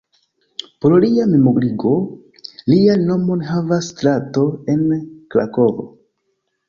Por lia memorigo, lian nomon havas strato en Krakovo.